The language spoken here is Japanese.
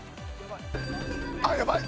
あっやばい！